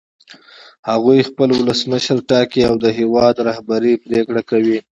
هغوی خپل ولسمشر ټاکي او د هېواد رهبري پرېکړه کوي.